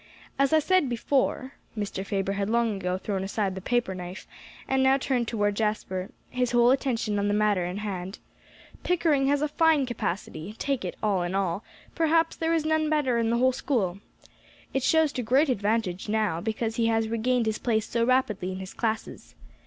As I said before" Mr. Faber had long ago thrown aside the paper knife, and now turned toward Jasper, his whole attention on the matter in hand "Pickering has a fine capacity; take it all in all, perhaps there is none better in the whole school. It shows to great advantage now, because he has regained his place so rapidly in his classes.